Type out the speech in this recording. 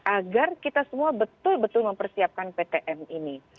agar kita semua betul betul mempersiapkan ptm ini